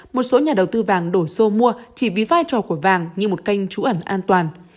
một số nhà đầu tư vàng đổ xô mua chỉ vì vai trò của vàng như một kênh trú ẩn an toàn